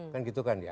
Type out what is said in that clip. kan gitu kan ya